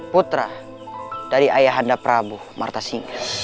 putra dari ayah anda prabu marta singas